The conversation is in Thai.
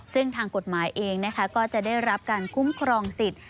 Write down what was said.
ซึ่งทางกฎหมายเองก็จะได้รับการคุ้มครองสิทธิ์